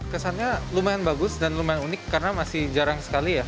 kesannya lumayan bagus dan lumayan unik karena masih jarang sekali ya